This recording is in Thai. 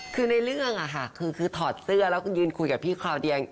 คือในเรื่องอะค่ะคือถอดเสื้อแล้วก็ยืนคุยกับพี่คราวเดียง